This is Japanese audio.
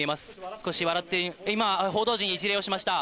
少し笑って、今、報道陣に一礼をしました。